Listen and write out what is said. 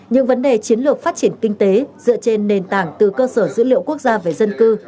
những vấn đề chiến lược phát triển kinh tế dựa trên nền tảng từ cơ sở dữ liệu quốc gia về dân cư